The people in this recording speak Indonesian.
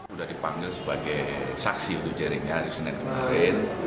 sudah dipanggil sebagai saksi untuk jeringnya hari senin kemarin